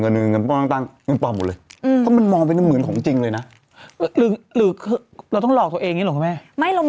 เราก็ไปปินรูปตรวมตาม